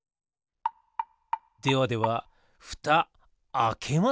ではではふたあけますよ。